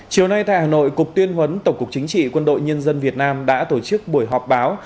chiều nay tại hà nội cục tuyên huấn tổng cục chính trị quân đội nhân dân việt nam đã tổ chức buổi họp báo